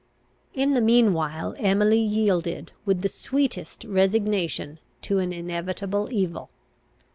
In the mean while Emily yielded with the sweetest resignation to an inevitable evil.